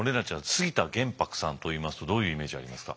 杉田玄白さんといいますとどういうイメージありますか？